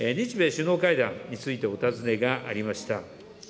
日米首脳会談についてお尋ねがありました。